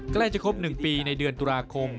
ใกล้จะครบ๑ปีในเดือนตุลาคม